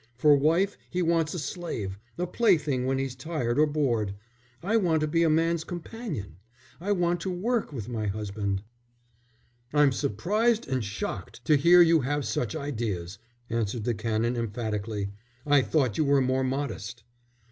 For wife he wants a slave, a plaything when he's tired or bored. I want to be a man's companion. I want to work with my husband." "I'm surprised and shocked to hear you have such ideas," answered the Canon, emphatically. "I thought you were more modest."